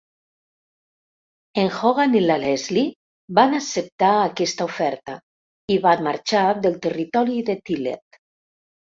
En Hogan i la Leslie van acceptar aquesta oferta i van marxar del territori de Tillet.